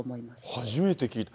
初めて聞いた。